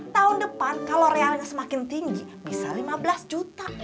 tahun depan kalau realnya semakin tinggi bisa lima belas juta